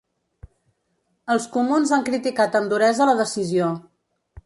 Els comuns han criticat amb duresa la decisió.